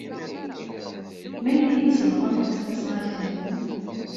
Melmi ay tsebɣem tasnasɣalt-nwen?